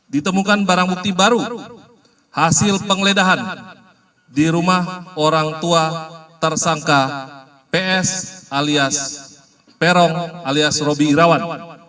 ditemukan barang bukti baru hasil pengledahan di rumah orang tua tersangka ps alias peron alias roby irawan